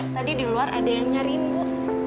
tadi di luar ada yang nyariin bu